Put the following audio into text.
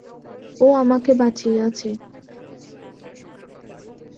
ও আমাকে বাঁচিয়েছে।